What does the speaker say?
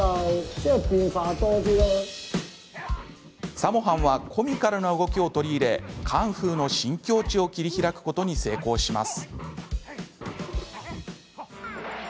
サモ・ハンはコミカルな動きを取り入れカンフーの新境地を切り開くことに成功します。